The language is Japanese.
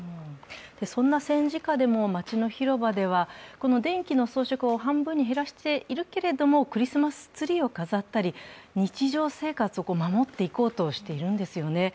そんな戦時下でも街の広場では電気の装飾を半分に減らしているけれども、クリスマスツリーを飾ったり、日常生活を守っていこうとしているんですよね。